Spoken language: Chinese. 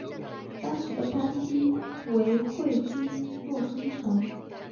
当时的藩厅为会津若松城。